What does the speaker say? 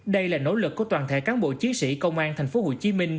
đây là nỗ lực của toàn thể cán bộ chiến sĩ công an tp hcm